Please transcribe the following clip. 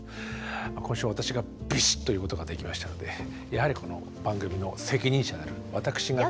今週は私がビシッと言うことができましたのでやはり番組の責任者である私が。